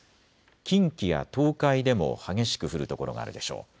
近畿や東海でも激しく降る所があるでしょう。